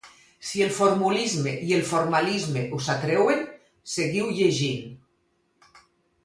Si el formulisme i el formalisme us atreuen, seguiu llegint.